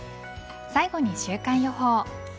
最後に週間予報。